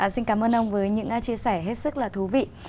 xin cảm ơn ông với những chia sẻ hết sức là thú vị